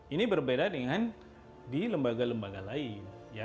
ini berbeda dengan di lembaga lembaga lain